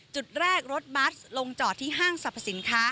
จุดแรกรถบัสลงจอดที่ห้างสรรพสินค้า